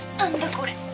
これ。